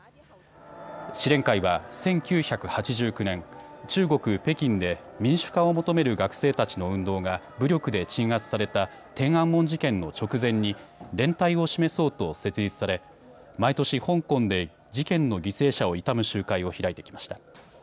支連会は１９８９年、中国北京で民主化を求める学生たちの運動が武力で鎮圧された天安門事件の直前に連帯を示そうと設立され毎年、香港で事件の犠牲者を悼む集会を開いてきました。